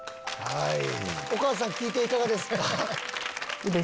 お母さん聞いていかがですか？